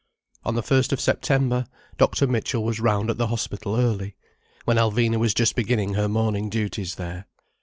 On the first of September Dr. Mitchell was round at the hospital early, when Alvina was just beginning her morning duties there.